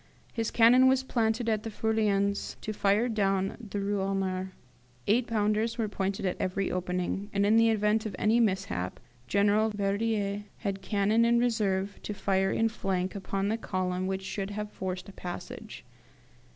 His cannon was planted at the Feuillans to fire down the Rue Honore. Eight pounders were pointed at every opening, and in the event of any mishap, General Verdier had cannon in reserve to fire in flank upon the column which should have forced a passage.